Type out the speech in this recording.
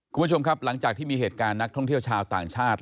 คุณผู้ชมครับหลังจากที่มีเหตุการณ์นักท่องเที่ยวชาวต่างชาติ